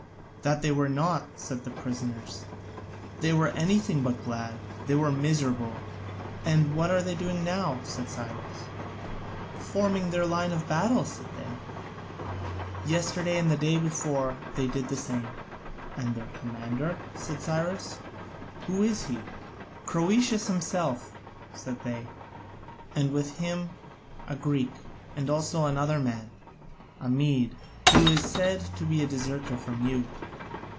"That they were not," said the prisoners, "they were anything but glad; they were miserable." "And what are they doing now?" asked Cyrus. "Forming their line of battle," answered they; "yesterday and the day before they did the same." "And their commander?" said Cyrus, "who is he?" "Croesus himself," said they, "and with him a Greek, and also another man, a Mede, who is said to be a deserter from you."